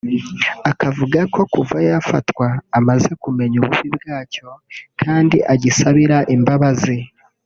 akavuga ko kuva yafatwa amaze kumenya ububi bwacyo kandi agisabira imbabazi